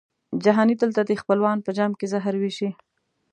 جهاني دلته دي خپلوان په جام کي زهر وېشي